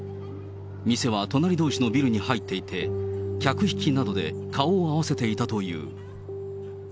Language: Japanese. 店は隣どうしのビルに入っていて、客引きなどで顔を合わせていたという。